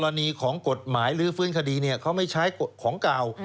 รณีของกฎหมายลื้อฟื้นคดีเขาไม่ใช้ของเก่า